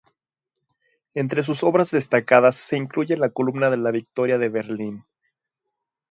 Entre sus obras destacadas se incluye la Columna de la Victoria de Berlín.